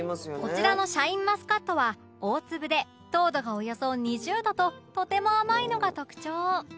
こちらのシャインマスカットは大粒で糖度がおよそ２０度ととても甘いのが特徴